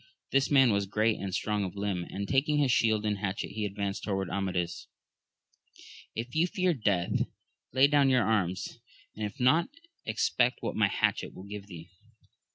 This man was great and strong of limb, and taking his shield and hatchet he advanced towards Amadis ;— If you fear death lay down your arms, if not, expect what my hatchet will give thee